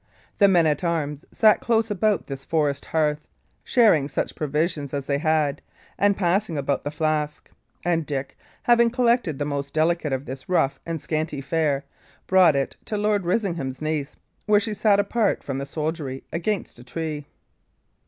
The men at arms sat close about this forest hearth, sharing such provisions as they had, and passing about the flask; and Dick, having collected the most delicate of the rough and scanty fare, brought it to Lord Risingham's niece, where she sat apart from the soldiery against a tree.